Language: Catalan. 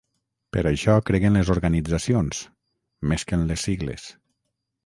Per això crec en les organitzacions –més que en les sigles-.